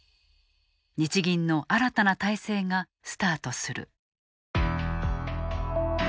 日銀の新たな体制がスタートする。